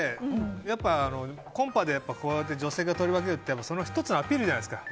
やっぱりコンパで女性が取り分けるって１つのアピールじゃないですか。